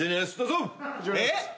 えっ？